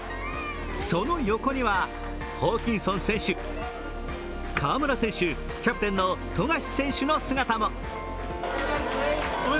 その横にはホーキンソン選手、河村選手キャプテンの富樫選手の姿も。